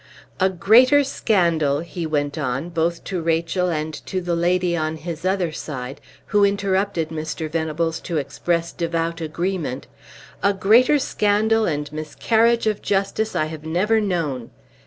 "A greater scandal," he went on, both to Rachel and to the lady on his other side (who interrupted Mr. Venables to express devout agreement), "a greater scandal and miscarriage of justice I have never known.